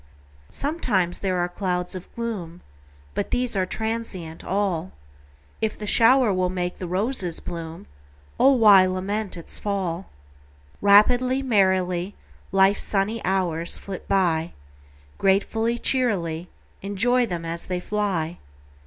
Sometimes there are clouds of gloom, But these are transient all; If the shower will make the roses bloom, O why lament its fall? Rapidly, merrily, Life's sunny hours flit by, Gratefully, cheerily Enjoy them as they fly!